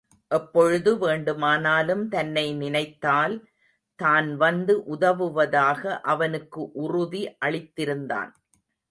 எப்பொழுது வேண்டுமானாலும் தன்னை நினைத்தால் தான் வந்து உதவுவதாக அவனுக்கு உறுதி அளித்திருந்தான்.